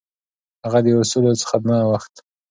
هغه د اصولو څخه نه اوښت.